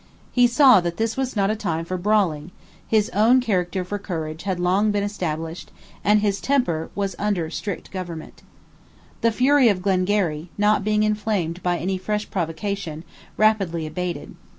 He saw that this was not a time for brawling: his own character for courage had long been established; and his temper was under strict government. The fury of Glengarry, not being inflamed by any fresh provocation, rapidly abated.